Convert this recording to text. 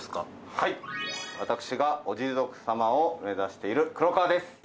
はい私がおジゾク様を目指している黒川です